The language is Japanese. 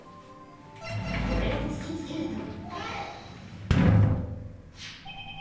これをつきつけると。